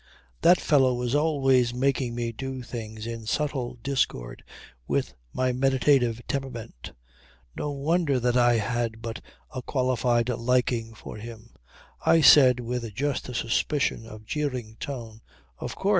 That fellow was always making me do things in subtle discord with my meditative temperament. No wonder that I had but a qualified liking for him. I said with just a suspicion of jeering tone: "Of course.